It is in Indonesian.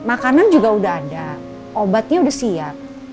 makanan juga udah ada obatnya sudah siap